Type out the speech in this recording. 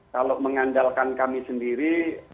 kalau mengandalkan kami sendiri